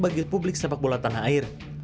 bagi publik sepak bola tanah air